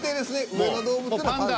上野動物園のパンダ。